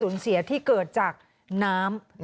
สูญเสียที่เกิดจากน้ำ